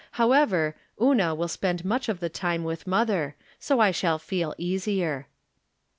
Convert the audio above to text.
However, Una will spend much of the time with mother ; so I shall feel easier.